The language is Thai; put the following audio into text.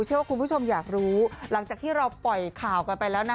เชื่อว่าคุณผู้ชมอยากรู้หลังจากที่เราปล่อยข่าวกันไปแล้วนะ